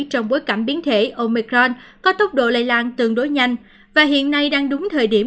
trong bối cảnh biến thể omicron có tốc độ lây lan tương đối nhanh và hiện nay đang đúng thời điểm